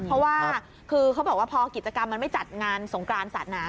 เพราะว่าคือเขาบอกว่าพอกิจกรรมมันไม่จัดงานสงกรานศาสนา